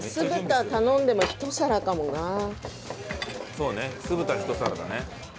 そうね酢豚１皿だね。